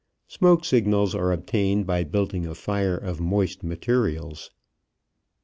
Smoke signals are obtained by building a fire of moist materials.